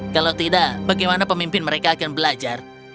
kalau tidak bagaimana pemimpin mereka akan belajar